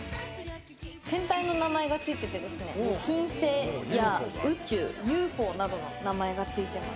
天体の名前がついていて金星や宇宙ＵＦＯなどの名前がついています。